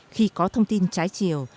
khi có thông tin trái chiều